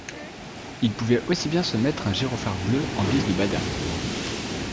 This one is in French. il pouvait aussi bien se mettre un gyrophare bleu en guise de bada.